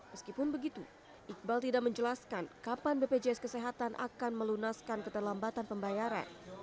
meskipun begitu iqbal tidak menjelaskan kapan bpjs kesehatan akan melunaskan keterlambatan pembayaran